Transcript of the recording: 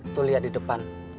tuh liat di depan